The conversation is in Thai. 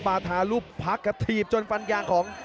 บาทารุพักกระทีบจนฟันกลางของ